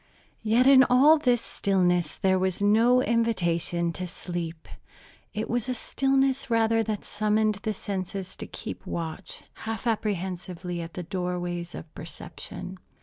Yet in all this stillness there was no invitation to sleep. It was a stillness rather that summoned the senses to keep watch, half apprehensively, at the doorways of perception.